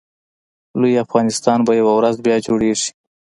لوی افغانستان به یوه ورځ بیا جوړېږي